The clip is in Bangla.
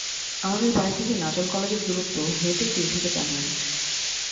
আমাদের বাড়ি থেকে নাচোল কলেজের দূরত্ব হেঁটে তিন থেকে চার মিনিট।